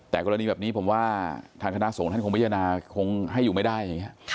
แต่กรณีแบบนี้ผมว่าทางคณะสงฆ์ท่านคงพิจารณาคงให้อยู่ไม่ได้อย่างนี้